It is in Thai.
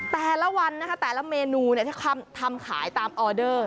แต่ละวันนะคะแต่ละเมนูทำขายตามออเดอร์